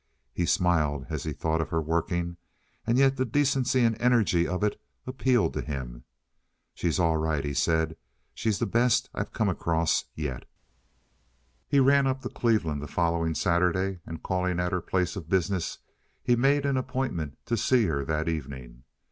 He smiled as he thought of her working, and yet the decency and energy of it appealed to him. "She's all right," he said. "She's the best I've come across yet." He ran up to Cleveland the following Saturday, and, calling at her place of business, he made an appointment to see her that evening.